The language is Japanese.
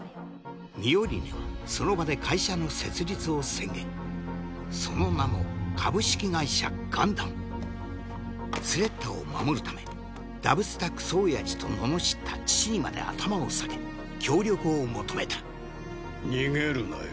ミオリネはその場で会社の設立を宣言その名も「株式会社ガンダム」スレッタを守るためダブスタクソおやじと罵った父にまで頭を下げ協力を求めた逃げるなよ。